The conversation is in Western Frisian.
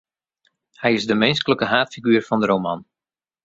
Hy is de minsklike haadfiguer fan de roman.